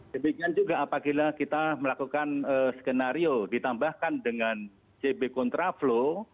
demikian juga apabila kita melakukan skenario ditambahkan dengan cb contraflow